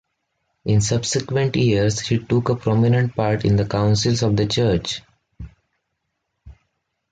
In subsequent years, he took a prominent part in the councils of the church.